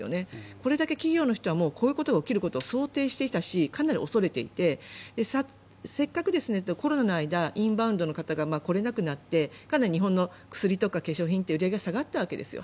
これだけ企業の人はこういうことが起きることを想定していたしかなり恐れていてせっかくコロナの間インバウンドの方が来れなくなってかなり日本の薬とか化粧品って売り上げが下がったわけですよ。